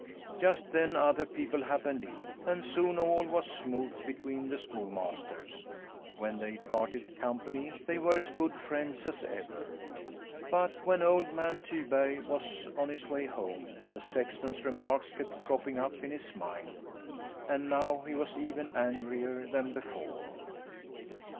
Just then other people happened in, and soon all was smooth between the schoolmasters; when they parted company they were as good friends as ever. But when old man Tyberg was on his way home, the sexton's remarks kept cropping up in his mind, and now he was even angrier than before.